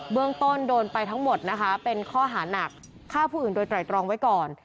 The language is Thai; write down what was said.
เรื่องต้นโดนไปทั้งหมดนะคะเป็นข้อหานักฆ่าผู้อื่นโดยไตรตรองไว้ก่อน